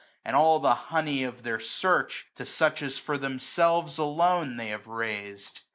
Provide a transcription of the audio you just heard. And all the honey of their search, to such As for themselves alone themselves have rais'd.